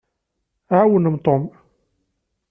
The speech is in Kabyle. Ɛawnem Tom.